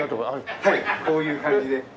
こういう感じで。